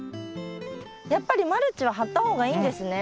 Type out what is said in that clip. やっぱりマルチは張った方がいいんですね？